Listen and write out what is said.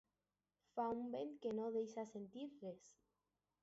Fa un vent que no deixa sentir res.